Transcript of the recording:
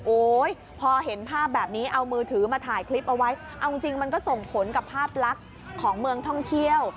พอเห็นภาพแบบนี้เอามือถือมาถ่ายคลิปเอาไว้เอาจริงมันก็ส่งผลกับภาพลักษณ์ของเมืองท่องเที่ยว